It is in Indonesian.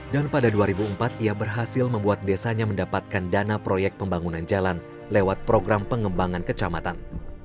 dan pada dua ribu empat ia berhasil membuat desanya mendapatkan dana proyek pembangunan jalan lewat program pengembangan kecamatan